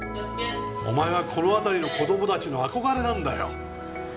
お前はこの辺りの子供達の憧れなんだよ